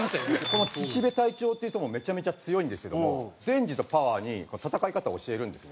この岸辺隊長っていう人もめちゃめちゃ強いんですけどもデンジとパワーに戦い方を教えるんですね。